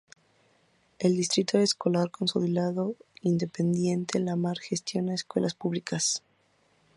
El Distrito Escolar Consolidado Independiente Lamar gestiona escuelas públicas.